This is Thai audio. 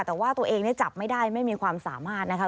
แต่ว่าตัวเองจับไม่ได้ไม่มีความสามารถนะคะ